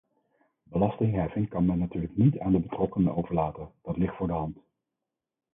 Belastingheffing kan men natuurlijk niet aan de betrokkenen overlaten, dat ligt voor de hand.